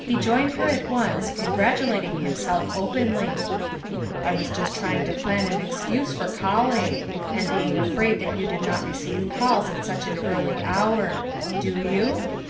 He joined her at once, congratulating himself openly. "I was just trying to plan an excuse for call ing, and being afraid that you did not receive calls at such an early hour. Do you?"